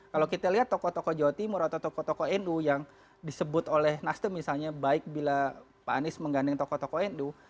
kalau kita lihat tokoh tokoh jawa timur atau tokoh tokoh nu yang disebut oleh nasdem misalnya baik bila pak anies menggandeng tokoh tokoh nu